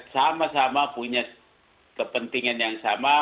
sama sama punya kepentingan yang sama